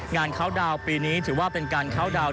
งานเคาท์ดาวน์ปีนี้จะเป็นการเคาท์ดาวน์